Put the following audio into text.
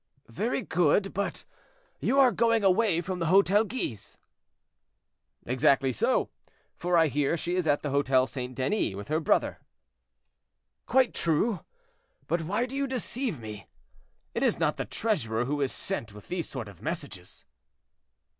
"Very good; but you are going away from the Hotel Guise." "Exactly so; for I hear she is at the Hotel St. Denis, with her brother." "Quite true; but why do you deceive me? It is not the treasurer who is sent with these sort of messages."